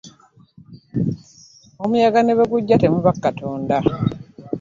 Omuyaga ne bwe gujja temuva ku Katonda.